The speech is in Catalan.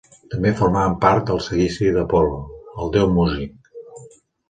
També formaven part del seguici d'Apol·lo, el déu músic.